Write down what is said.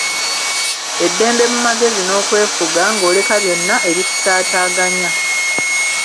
Eddembe mu magezi n'okwefuga, ng'oleka byonna ebikutaataganya.